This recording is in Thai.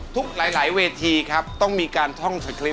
ทุกหลายเวทีครับต้องมีการท่องสคริป